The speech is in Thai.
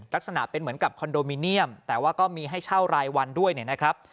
ลักษณะเป็นเหมือนกับคอนโดมิเนียมแต่ว่าก็มีให้เช่ารายวันด้วยนะครับ